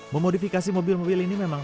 memodifikasi mobil mobil ini memang